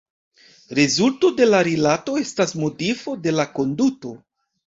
Rezulto de la rilato estas modifo de la konduto.